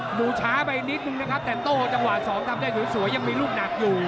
หมูช้าไปนิดนึงนะครับแต่โต้จังหวะ๒ทำได้สวยยังมีลูกหนักอยู่